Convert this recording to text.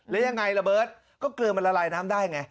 แล้วยังไงระเบิร์ตก็เกลือมันละลายน้ำได้ไง